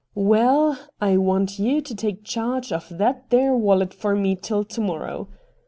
' Waal, I want you to take charge of that there wallet for me till to morrow.